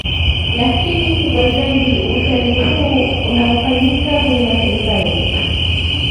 Lakini kubwa zaidi utalii huu unaofanyika kwenye mataifa yetu